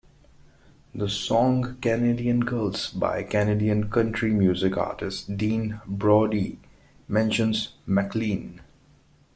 The song "Canadian Girls" by Canadian country music artist Dean Brody mentions MacLean.